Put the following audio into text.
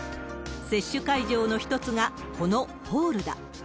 接種会場の一つが、このホールだ。